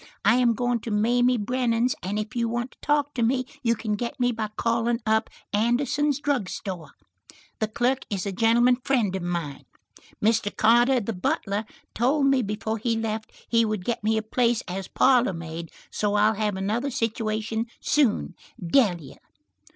I am going to Mamie Brennan's and if you want to talk to me you can get me by calling up Anderson's drug store. The clerk is a gentleman friend of mine. Mr. Carter, the butler, told me before he left he would get me a place as parlor maid, so I'll have another situation soon. Delia."